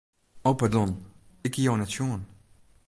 O pardon, ik hie jo net sjoen.